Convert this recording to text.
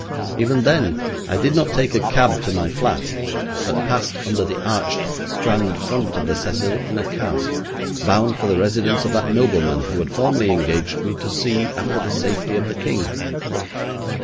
Even then I did not take a cab to my flat, but passed under the arched Strand front of the 'Cecil' in a cab, bound for the residence of that nobleman who had formerly engaged me to see after the safety of the King.